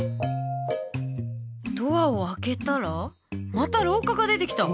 ドアを開けたらまた廊下が出てきた。